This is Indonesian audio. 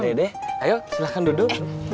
dede ayo silahkan duduk